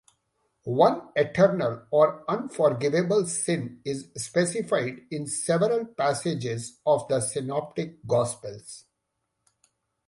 One eternal or unforgivable sin is specified in several passages of the synoptic gospels.